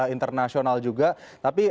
internasional juga tapi